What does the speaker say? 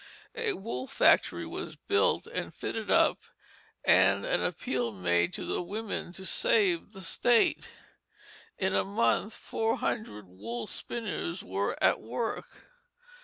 A wool factory was built and fitted up and an appeal made to the women to save the state. In a month four hundred wool spinners were at work.